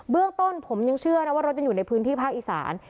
เรื่องต้นผมยังเชื่อนะว่ารถยังอยู่ในพื้นที่ภาคอีสาน